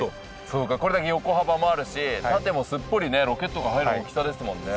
そうかこれだけ横幅もあるし縦もすっぽりねロケットが入る大きさですもんね。